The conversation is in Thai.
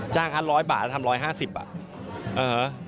จ้างงาน๑๐๐บาทแล้วทำ๑๕๐บาท